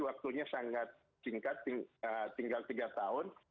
waktunya sangat singkat tinggal tiga tahun